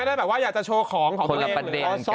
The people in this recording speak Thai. ไม่ได้แบบว่าอยากจะโชว์ของของพอแล้ว